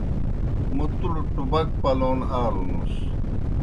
موْ تُوْڑ ٹُبَک پلَون آلوْنُس۔